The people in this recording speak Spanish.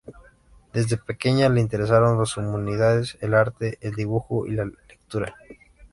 Desde pequeña le interesaron las humanidades, el arte, el dibujo y la lectura.